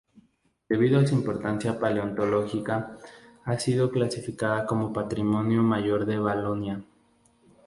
Debido a su importancia paleontológica, ha sido clasificada como Patrimonio mayor de Valonia.